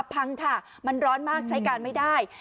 พังค่ะมันร้อนมากใช้การไม่ได้